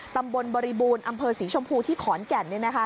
ตำบลบริบูรณ์อำเภอศรีชมพูที่ขอนแก่นเนี่ยนะคะ